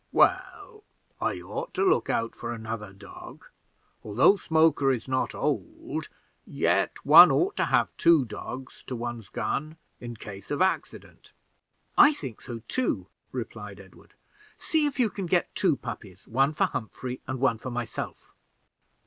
"Well, I ought to look out for another dog: although Smoker is not old, yet one ought to have two dogs to one's gun in case of accident." "I think so too," replied Edward; "see if you can get two puppies, one for Humphrey and one for myself."